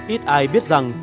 ít ai biết rằng